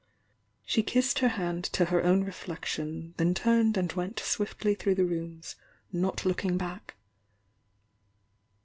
t„l'i!i^''^'^ he. hand to her own reflection, then turned and went swiftly through the rooms not lookmg back.